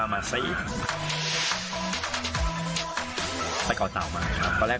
สวัสดีครับป้องนวัสนะครับ